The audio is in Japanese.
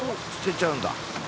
捨てちゃうんだ。